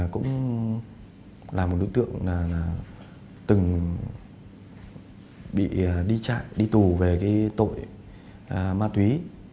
cũng là một đối tượng từng bị đi trại đi tù về cái tội ma túy